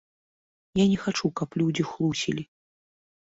Я не хачу, каб людзі хлусілі.